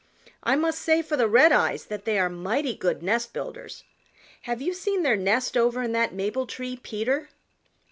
I must say for the Redeyes that they are mighty good nest builders. Have you seen their nest over in that maple tree, Peter?"